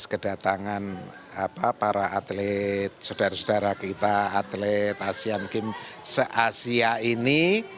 atas kedatangan para atlet saudara saudara kita atlet asian games asia ini